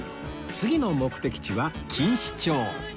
次の目的地は錦糸町